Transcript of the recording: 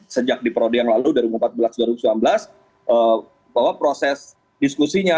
sejak di prode yang lalu dua ribu empat belas dua ribu sembilan belas bahwa proses diskusinya